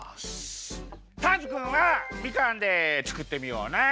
ターズくんはみかんでつくってみようね。